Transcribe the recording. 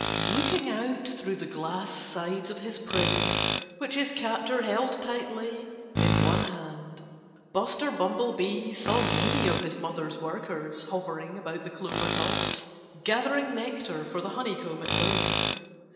Looking out through the glass sides of his prison, which his captor held tightly in one hand, Buster Bumblebee saw many of his mother's workers hovering about the clover tops, gathering nectar for the honeycomb at home.